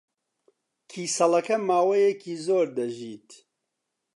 کیسەڵەکە ماوەیەکی زۆر دەژیت.